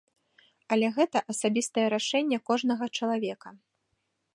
Але гэта асабістае рашэнне кожнага чалавека.